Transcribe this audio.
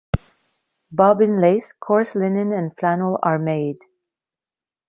Bobbin lace, coarse linen, and flannel are made.